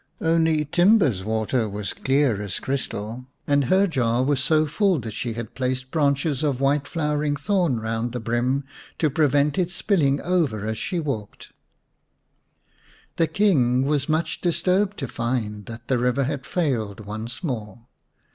Only Timba's water was clear as crystal, and her jar was so full that she had placed branches of the white flowering thorn round the brim to prevent its spilling over as she walked. The King was much disturbed to find that the river had failed once more.